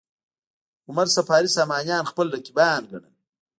عمر صفاري سامانیان خپل رقیبان ګڼل.